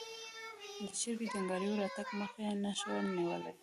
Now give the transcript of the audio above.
د چریکي جنګیالیو راتګ مخه یې نه شوه نیولای.